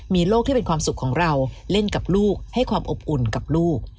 มีโลกที่เป็นความสุขของเราเล่นกับลูกให้ความอบอุ่นกับลูก